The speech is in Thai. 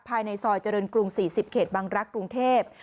ภายในซอยเจริญกรุง๔๐เขตบังรักษ์กรุงเทพ